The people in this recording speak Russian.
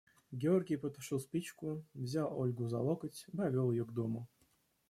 Георгий потушил спичку, взял Ольгу за локоть и повел ее к дому.